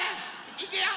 いくよ！